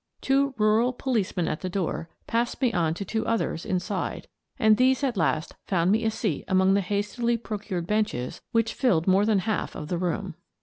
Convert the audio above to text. Two rural policemen at the door passed me on to two others inside, and these at last found me a seat among, the hastily procured benches which filled more than half of the room.